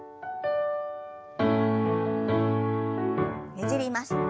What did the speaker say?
ねじります。